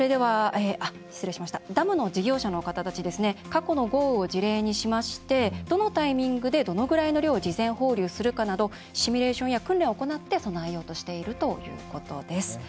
ダムの事業者の方たち過去の豪雨を事例にしましてどのタイミングでどのぐらいの量を事前放流するかなどシミュレーションや訓練を行って備えようとしているということです。